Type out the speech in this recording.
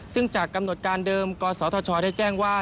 ซึ่งจากกำหนดการเดิมกศธชได้แจ้งว่า